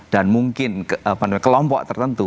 dan mungkin kelompok tertentu